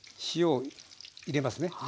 塩を入れますね。